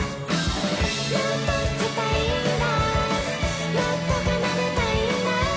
「もっと弾きたいんだもっと奏でたいんだ」